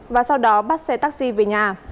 và sau đó bắt xe taxi về nhà